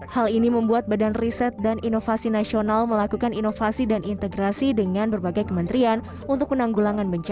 hal ini membuat badan riset dan inovasi nasional melakukan inovasi dan integrasi dengan berbagai kementerian untuk penanggulangan bencana